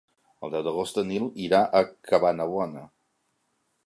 El deu d'agost en Nil irà a Cabanabona.